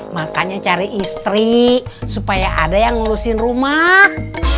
makanya cari istri supaya ada yang ngurusin rumah